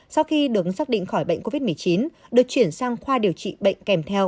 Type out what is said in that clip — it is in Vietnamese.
sau khi được xác định khỏi bệnh covid một mươi chín được chuyển sang khoa điều trị bệnh kèm theo